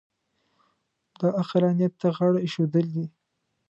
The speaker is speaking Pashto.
دا عقلانیت ته غاړه اېښودل دي.